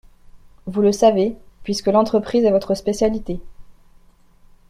Vous le savez, puisque l’entreprise est votre spécialité.